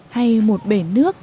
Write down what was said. hay một bể nước